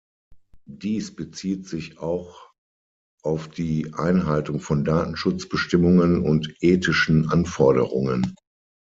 Dies bezieht sich auch auf die Einhaltung von Datenschutzbestimmungen und ethischen Anforderungen.